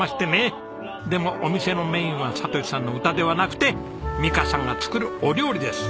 でもお店のメインは聰さんの歌ではなくて美香さんが作るお料理です。